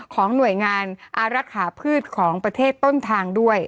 ของหน่วยงานอารักษาพืชของประเทศต้นทางด้วย